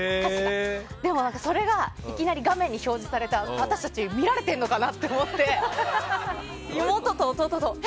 でもそれがいきなり画面に表示されて私たち見られてるのかなって思って妹と弟と、え？